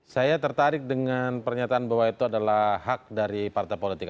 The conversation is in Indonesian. saya tertarik dengan pernyataan bahwa itu adalah hak dari partai politik